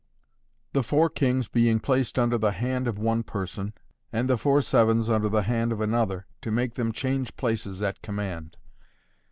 Fig. 31. The Four Kings being placed under the Hand of one Person, and the Four Sevens under the Hand of Another, to make them Change Places at Command.